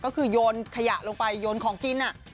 ก็คือโยนขยะลงไปโยนของกิน